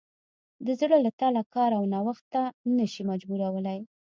د زړه له تله کار او نوښت ته نه شي مجبورولی.